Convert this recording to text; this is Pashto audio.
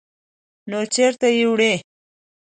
_نو چېرته يې وړې؟